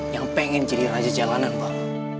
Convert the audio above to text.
yang pengen jadi raja jalanan bang